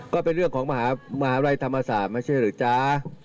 ก็เป็นเรื่องของมหาวิทยาลัยธรรมศาสตร์ไม่ใช่หรือจ๊ะ